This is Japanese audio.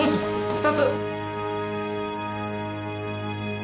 ・２つ。